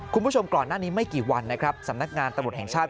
คุณผู้ชมก่อนหน้านี้ไม่กี่วันนะครับสำนักงานตำรวจแห่งชาติ